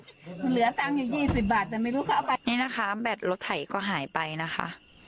เหลือตังค์อยู่ยี่สิบบาทแต่ไม่รู้เขาเอาไปนี่นะคะแบตรถไถก็หายไปนะคะ